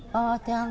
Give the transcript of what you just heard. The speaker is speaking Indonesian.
ya sudah makan